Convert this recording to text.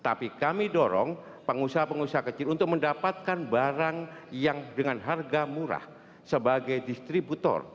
tapi kami dorong pengusaha pengusaha kecil untuk mendapatkan barang yang dengan harga murah sebagai distributor